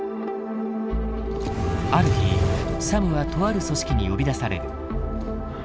ある日サムはとある組織に呼び出される。